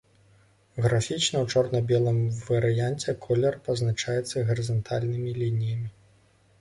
Графічна ў чорна-белым варыянце колер пазначаецца гарызантальнымі лініямі.